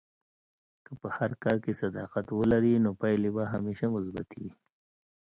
که په هر کار کې صداقت ولرې، نو پایلې به همیشه مثبتې وي.